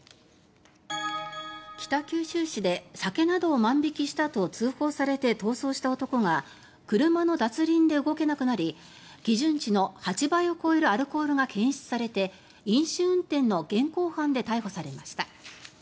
北九州市で酒などを万引きしたあと通報されて逃走した男が車の脱輪で動けなくなり基準値の８倍を超えるアルコールが検出されて飲酒運転の現行犯で逮捕されました。